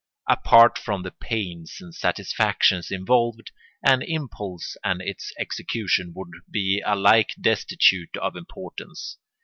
Apart from the pains and satisfactions involved, an impulse and its execution would be alike destitute of importance.